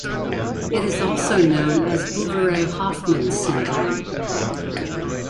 It is also known as "Bouveret-Hoffmann syndrome".